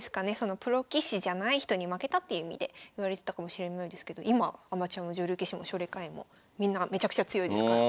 プロ棋士じゃない人に負けたっていう意味で言われてたかもしれないですけど今アマチュアも女流棋士も奨励会員もみんなめちゃくちゃ強いですから。